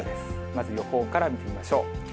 まず予報から見てみましょう。